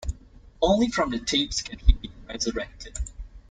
Only from the tapes can he be resurrected.